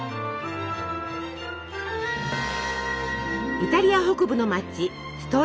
イタリア北部の町ストレーザ。